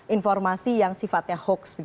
informasi yang sifatnya hoax